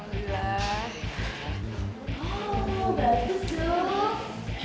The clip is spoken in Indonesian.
oh bagus dong